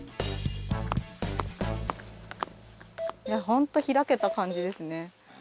本当開けた感じですね。